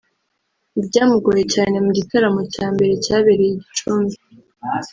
Mu byamugoye cyane mu gitaramo cya mbere cyabereye i Gicumbi